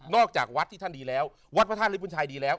นอกจากวัดที่ท่านดีแล้ว